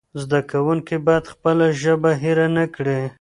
زده کوونکي باید خپله ژبه هېره نه کړي.